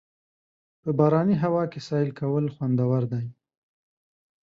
په باراني هوا کې سیل کول خوندور دي.